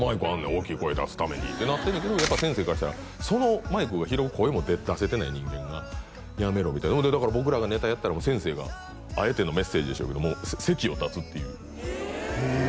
大きい声出すために」ってなってんねんけどやっぱ先生からしたら「そのマイクが拾う声も出せてない人間がやめろ」でだから僕らがネタやったら先生があえてのメッセージでしょうけども席を立つっていうええ！